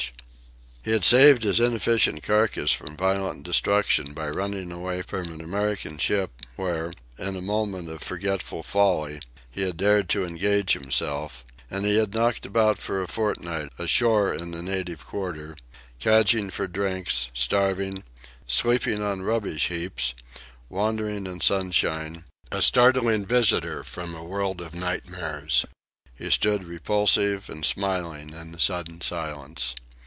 He had saved his inefficient carcass from violent destruction by running away from an American ship where, in a moment of forgetful folly, he had dared to engage himself; and he had knocked about for a fortnight ashore in the native quarter, cadging for drinks, starving, sleeping on rubbish heaps, wandering in sunshine: a startling visitor from a world of nightmares. He stood repulsive and smiling in the sudden silence.